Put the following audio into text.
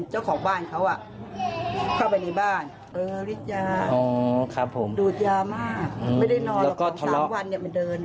เจ้าของบ้านเขาเข้าไปในบ้านฤทธิยาดูดยามากไม่ได้นอนหรอกก่อน๓วันมันเดิน